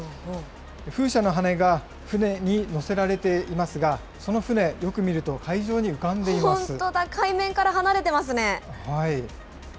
風車の羽根が船に載せられていますが、その船、よく見ると、海上本当だ、海面から離れてます